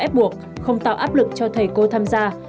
ép buộc không tạo áp lực cho thầy cô tham gia